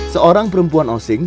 seorang perempuan osing